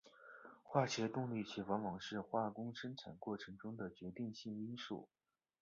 化学动力学往往是化工生产过程中的决定性因素。